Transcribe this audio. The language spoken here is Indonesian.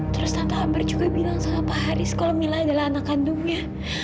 terus tante hambar juga bilang sama pak haris kalau mila adalah anak kandungnya